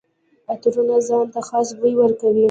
عطرونه ځان ته خاص بوی ورکوي.